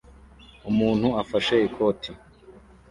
Umuntu afashe ikoti